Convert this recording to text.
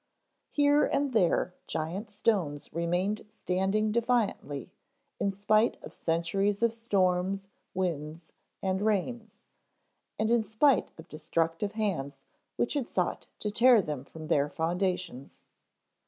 Here and there giant stones remained standing defiantly in spite of centuries of storms, winds and rains; and in spite of destructive hands which had sought to tear them from their foundations.